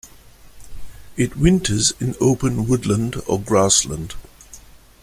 It winters in open woodland or grassland.